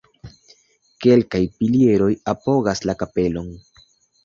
Kelkaj pilieroj apogas la kapelon.